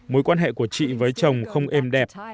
mối quan hệ của chị với chồng không êm đẹp